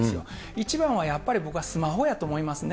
一番はやっぱり、僕はスマホやと思いますね。